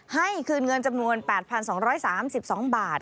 คืนเงินจำนวน๘๒๓๒บาท